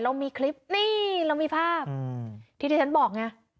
เรามีคลิปนี่เรามีภาพที่ที่ฉันบอกไง